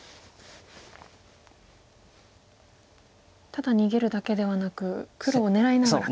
ただ逃げるだけではなく黒を狙いながら。